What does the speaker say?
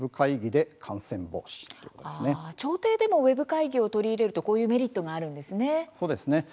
調停でもウェブ会議を取り入れるとこういうメリットがあるんですね。